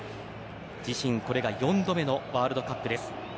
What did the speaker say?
自身これが４度目のワールドカップです。